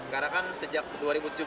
karena kan sejak dua ribu tujuh belas di